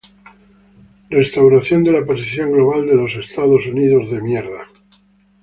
Restauración de la Posición Global de los Estados Unidos